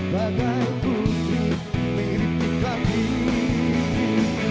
bagai putri mirip buka diri